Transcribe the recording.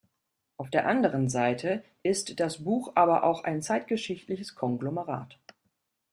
Auf der anderen Seite ist das Buch aber auch ein zeitgeschichtliches Konglomerat.